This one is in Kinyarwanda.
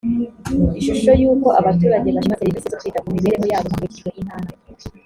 ishusho y uko abaturage bashima serivisi zo kwita ku mibereho yabo hakurikijwe intara